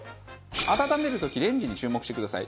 温める時レンジに注目してください。